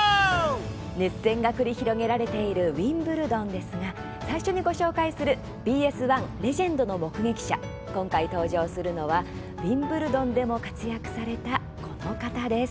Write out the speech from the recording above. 熱戦が繰り広げられているウィンブルドンですが最初にご紹介するＢＳ１「レジェンドの目撃者」今回登場するのはウィンブルドンでも活躍されたこの方です。